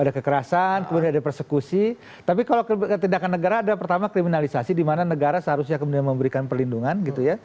ada kekerasan kemudian ada persekusi tapi kalau tindakan negara ada pertama kriminalisasi di mana negara seharusnya kemudian memberikan perlindungan gitu ya